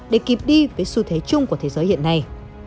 để kịp đi với xu thế chung của thế giới hiện nay